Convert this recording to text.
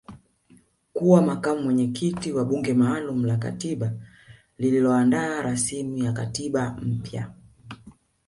kuwa makamu mwenyekiti wa bunge maalum la katiba lililoandaa rasimu ya katiba mpya